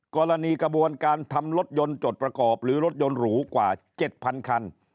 กระบวนการทำรถยนต์จดประกอบหรือรถยนต์หรูกว่า๗๐๐คัน